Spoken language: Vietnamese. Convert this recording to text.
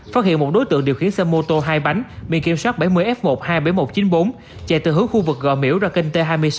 phát hiện một đối tượng điều khiển xe mô tô hai bánh bị kiểm soát bảy mươi f một hai mươi bảy nghìn một trăm chín mươi bốn chạy từ hướng khu vực gò miểu ra kinh t hai mươi sáu